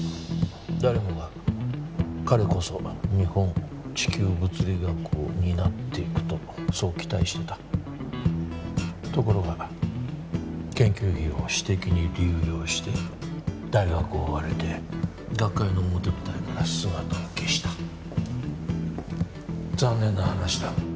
誰もが彼こそ日本地球物理学を担っていくとそう期待してたところが研究費を私的に流用して大学を追われて学界の表舞台から姿を消した残念な話だ